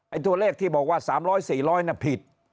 ไอ้ตัวเลขที่บอกว่าสามร้อยสี่ร้อยน่ะผิด